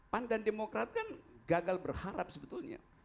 pan dan demokrat kan gagal berharap sebetulnya